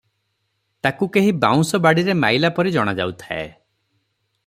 ତାକୁ କେହି ବାଉଁଶ ବାଡ଼ିରେ ମାଇଲା ପରି ଜଣାଯାଉଥାଏ ।"